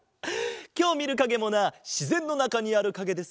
きょうみるかげもなしぜんのなかにあるかげですよ。